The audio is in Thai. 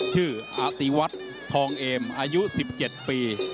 ชื่ออติวัฒน์ทองเอมอายุ๑๗ปี